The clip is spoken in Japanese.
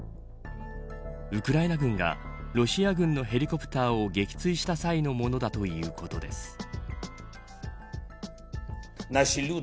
ウクライナ軍がロシア軍のヘリコプターを撃墜した際のものだということです。